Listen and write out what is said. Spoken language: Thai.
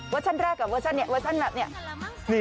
เวอร์ชันแรกกับเวอร์ชันนี้เวอร์ชันแบบนี้